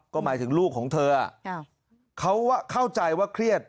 ก็หมายถึงลูกของเธอเขาเข้าใจว่าเครียด